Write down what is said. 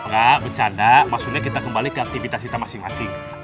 enggak bercanda maksudnya kita kembali ke aktivitas kita masing masing